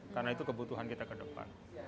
karena itu kebutuhan kita ke depan